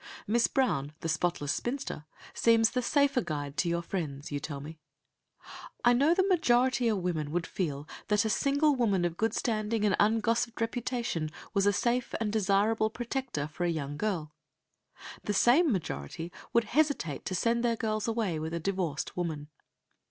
Miss Brown, the spotless spinster, seems the safer guide to your friends, you tell me. I know the majority of women would feel that a single woman of good standing and ungossiped reputation was a safe and desirable protector for a young girl. The same majority would hesitate to send their girls away with a divorced woman.